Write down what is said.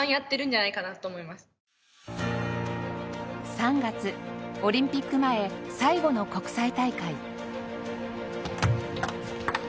３月オリンピック前最後の国際大会。